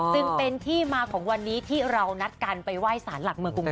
จึงเป็นที่มาของวันนี้ที่เรานัดกันไปไหว้สารหลักเมืองกรุงเทพ